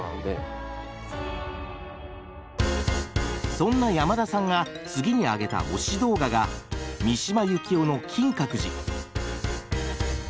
そんな山田さんが次に挙げた推し動画が三島由紀夫の「金閣寺」。